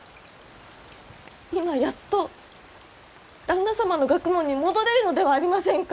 今やっと旦那様の学問に戻れるのではありませんか！